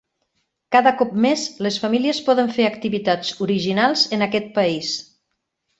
Cada cop més, les famílies poden fer activitats originals en aquest país.